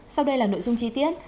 sau đây là nội dung chi tiết